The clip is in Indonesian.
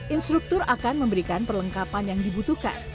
instruktur akan memberikan perlengkapan yang dibutuhkan